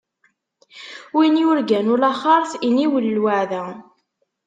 Win yurgan ulaxeṛt, iniwel lweɛda!